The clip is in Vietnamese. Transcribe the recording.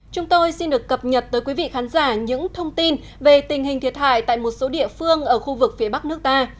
chúng tôi xin được cập nhật tới quý vị khán giả những thông tin về tình hình thiệt hại tại một số địa phương ở khu vực phía bắc nước ta